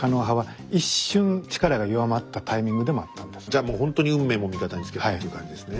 じゃあもうほんとに運命も味方につけたっていう感じですね。